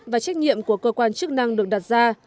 và trách nhiệm của cơ quan chức năng được đặt ra